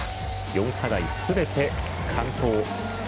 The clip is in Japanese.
４課題すべて完登。